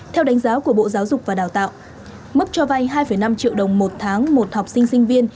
theo đánh giá của bộ giáo dục và đào tạo mức cho vay hai năm triệu đồng một tháng một học sinh sinh viên